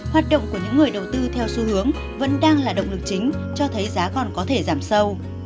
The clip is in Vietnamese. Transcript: hoạt động của những người đầu tư theo xu hướng vẫn đang là động lực chính cho thấy giá còn có thể giảm sâu